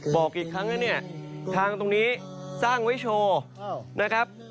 บอกอีกครั้งนะเนี่ยทางตรงนี้สร้างไว้โชว์นะครับ